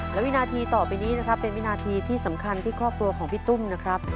และวินาทีต่อไปนี้นะครับเป็นวินาทีที่สำคัญที่ครอบครัวของพี่ตุ้มนะครับ